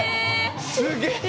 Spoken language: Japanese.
すげえ。